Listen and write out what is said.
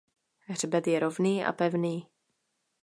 Hřbet je rovný a pevný.